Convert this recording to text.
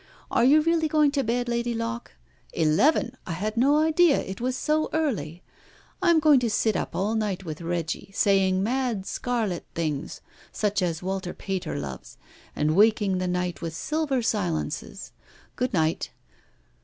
Are you really going to bed, Lady Locke? Eleven! I had no idea it was so early. I am going to sit up all night with Reggie, saying mad scarlet things, such as Walter Pater loves, and waking the night with silver silences. Good night.